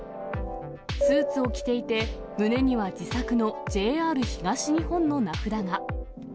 スーツを着ていて、胸には自作のＪＲ東日本の名札が。